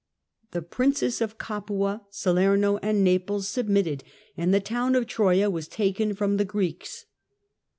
The rinces of Capua, Salerno, and Naples submitted, and he town of Troja was taken from the Greeks.